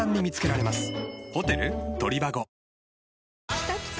きたきた！